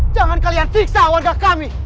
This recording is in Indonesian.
jangan kalian siksa wadah kami